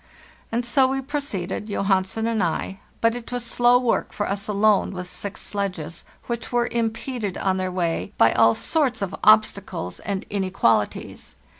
And so we proceeded, Johansen and I, but it was slow work for us alone with six sledges, which were impeded on their way by all sorts of obstacles and inequalities.